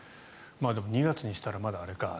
でも２月にしたらまだあれか。